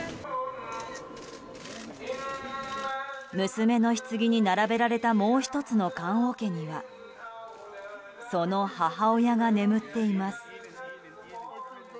娘のひつぎに並べられたもう１つの棺桶にはその母親が眠っています。